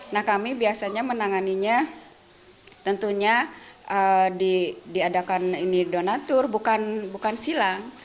nah kami biasanya menanganinya tentunya diadakan ini donatur bukan silang